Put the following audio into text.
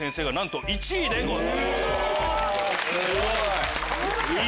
すごい！